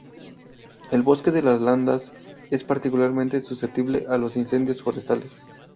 El bosque de las Landas es particularmente susceptible a los incendios forestales.